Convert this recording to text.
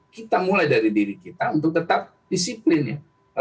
kita mulai dari diri kita untuk tetap disiplin ya